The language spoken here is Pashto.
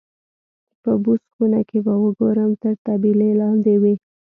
په بوس خونه کې به وګورم، تر طبیلې لاندې مې.